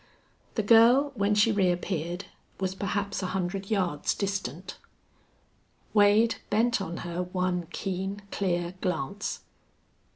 The girl, when she reappeared, was perhaps a hundred yards distant. Wade bent on her one keen, clear glance.